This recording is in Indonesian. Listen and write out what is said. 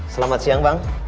selamat siang bang